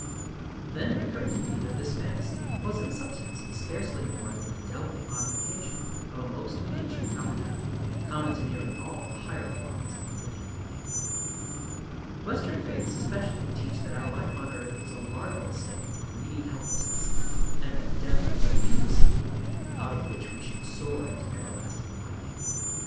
Then it occurred to me that this fantasy was in substance scarcely more than the delicate modification of a most ancient doctrine, common to nearly all the higher forms of religion. Western faiths especially teach that our life on earth is a larval state of greedy helplessness, and that death is a pupa sleep out of which we should soar into everlasting light.